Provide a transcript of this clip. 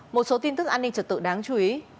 một số tin tức an ninh trật tự đáng chú ý